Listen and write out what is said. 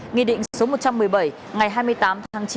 nghị định số một trăm một mươi bảy ngày hai mươi tám tháng chín